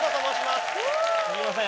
すみません